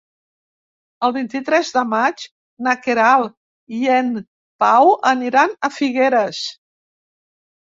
El vint-i-tres de maig na Queralt i en Pau aniran a Figueres.